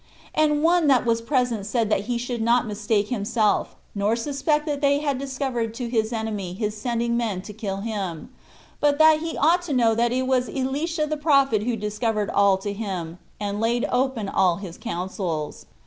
And one that was present said that he should not mistake himself, nor suspect that they had discovered to his enemy his sending men to kill him, but that he ought to know that it was Elisha the prophet who discovered all to him, and laid open all his counsels.